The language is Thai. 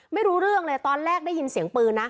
ไม่รู้เรื่องเลยตอนแรกได้ยินเสียงปืนนะ